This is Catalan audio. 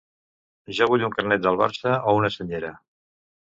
Jo vull un carnet del Barça o una senyera.